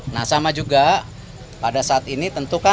nah sama juga pada saat ini tentu kan